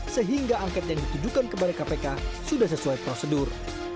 sehingga angket yang ditujukan kepada kpk sudah sesuai prosedur